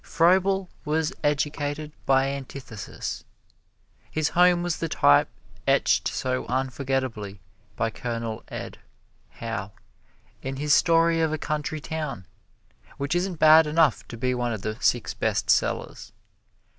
Froebel was educated by antithesis. His home was the type etched so unforgetably by Colonel Ed. Howe in his "Story of a Country Town," which isn't bad enough to be one of the Six Best Sellers.